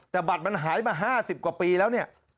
แต่บัตรมันหายมา๕๐กว่าปีแล้วเนี่ย